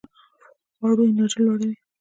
پیاز د خواړو انرژی لوړوي